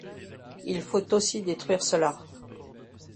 Il faut aussi détruire cela.